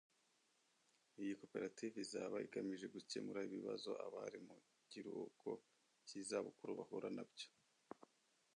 Iyi Koperative izaba igamije gukemura ibibazo abari mu kiruhuko cy’izabukuru bahura nabyo